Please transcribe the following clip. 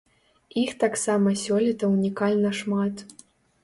Іх таксама сёлета унікальна шмат.